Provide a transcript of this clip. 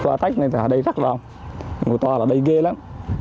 qua tách này thì họ đầy rắc rào ngồi to là đầy ghê lắm